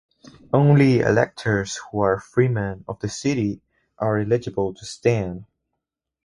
Only electors who are Freemen of the City are eligible to stand.